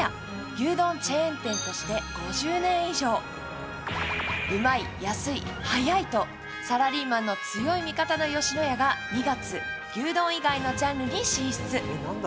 牛丼チェーン店として５０年以上、うまい、やすい、はやいと、サラリーマンの強い味方の吉野家が２月、牛丼以外のジャンルに進出。